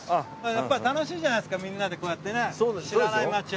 やっぱ楽しいじゃないですかみんなでこうやってね知らない街を歩く。